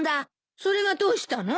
それがどうしたの？